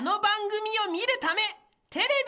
テレビ？